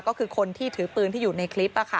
ก็คือคนที่ถือปืนที่อยู่ในคลิป